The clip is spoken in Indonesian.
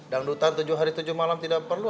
dangdutan tujuh hari tujuh malam tidak perlu